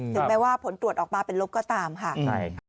ถึงแม้ว่าผลตรวจออกมาเป็นลบก็ตามค่ะใช่ค่ะ